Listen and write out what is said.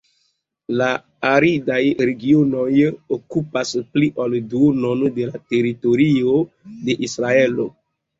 La aridaj regionoj okupas pli ol duonon de la teritorio de Israelo.